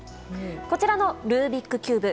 こちらのルービックキューブ。